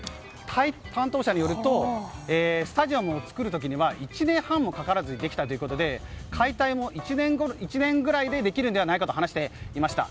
担当者によるとスタジアムを作る時は１年半もかからずできたということで解体も１年ぐらいでできるのではないかと話していました。